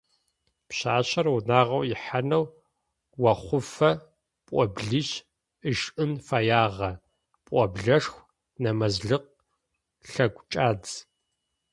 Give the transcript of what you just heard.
Пшъашъэр унагъо ихьанэу охъуфэ пӏоблищ ышӏын фэягъэ: пӏоблэшху, нэмазлыкъ, лъэгукӏадз.